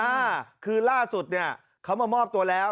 อ่าคือล่าสุดเนี่ยเขามามอบตัวแล้ว